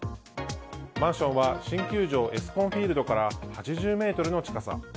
マンションは新球場エスコンフィールドから８０ｍの近さ。